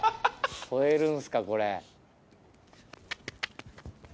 越えるんすかこれ。